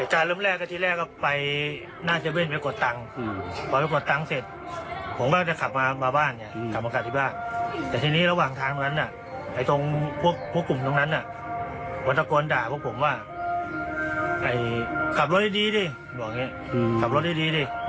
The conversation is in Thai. เหตุการณ์เป็นไงเล่าให้ฟังนี้ดิ